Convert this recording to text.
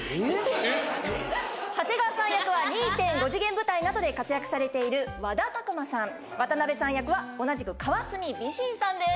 長谷川さん役は２．５次元舞台などで活躍されている和田琢磨さん渡辺さん役は同じく川隅美慎さんです。